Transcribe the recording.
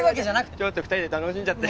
ちょっと２人で楽しんじゃって。